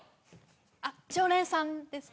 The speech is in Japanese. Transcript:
あっ常連さんですか？